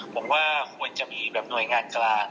ผมว่าควรจะมีแบบหน่วยงานกลาง